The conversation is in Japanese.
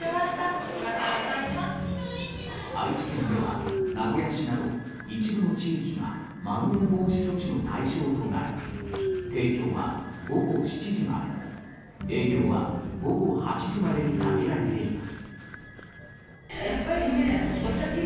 愛知県では名古屋市など一部の地域がまん延防止措置の対象となり提供は午後７時まで営業は午後８時までに限られています。